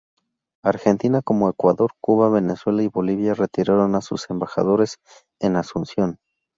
Argentina, como Ecuador, Cuba, Venezuela y Bolivia retiraron a sus embajadores en Asunción.